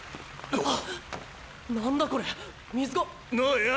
あっ？